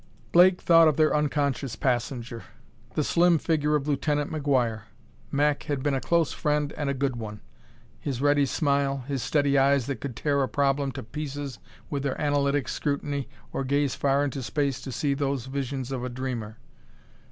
Blake thought of their unconscious passenger the slim figure of Lieutenant McGuire. Mac had been a close friend and a good one; his ready smile; his steady eyes that could tear a problem to pieces with their analytic scrutiny or gaze far into space to see those visions of a dreamer!